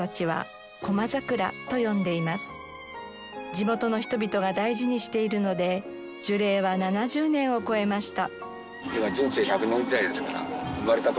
地元の人々が大事にしているので樹齢は７０年を超えました。